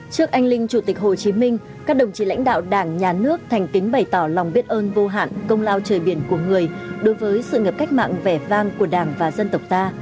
trước anh linh chủ tịch hồ chí minh các đồng chí lãnh đạo đảng nhà nước thành kính bày tỏ lòng biết ơn vô hạn công lao trời biển của người đối với sự nghiệp cách mạng vẻ vang của đảng và dân tộc ta